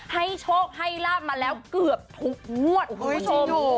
ให้โชคให้ลาบมาแล้วเกือบทุกงวดคุณผู้ชม